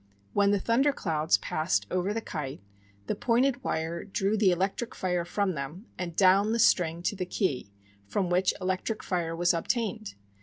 When the thunder clouds passed over the kite, the pointed wire drew the electric fire from them, and down the string to the key, from which electric fire was obtained.